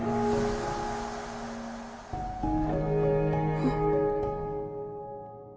あっ！